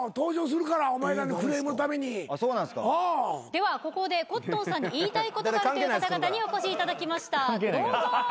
ではここでコットンさんに言いたいことがあるという方々にお越しいただきましたどうぞ。